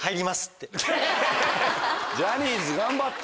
ジャニーズ頑張って。